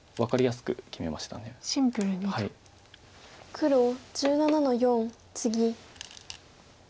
黒１７の四ツギ。